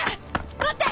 待って！